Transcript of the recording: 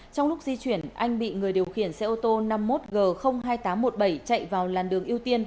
trong lúc di chuyển anh bị người điều khiển xe ô tô năm mươi một g hai nghìn tám trăm một mươi bảy chạy vào làn đường ưu tiên